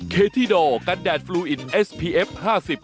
เคที่ดอร์กันแดดฟลูอินเอสพีเอฟห้าสิบ